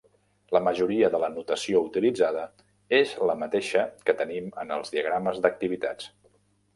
La majoria de la notació utilitzada és la mateixa que tenim en els diagrames d'activitats.